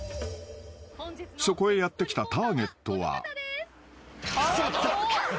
［そこへやって来たターゲットは］来ちゃった。